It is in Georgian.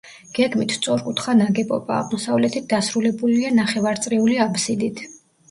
გეგმით სწორკუთხა ნაგებობა, აღმოსავლეთით დასრულებულია ნახევარწრიული აბსიდით.